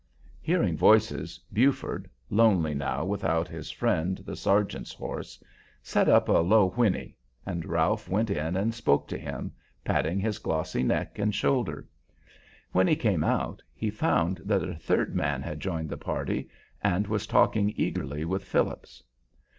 Hearing voices, Buford, lonely now without his friend, the sergeant's horse, set up a low whinny, and Ralph went in and spoke to him, patting his glossy neck and shoulder. When he came out he found that a third man had joined the party and was talking eagerly with Phillips.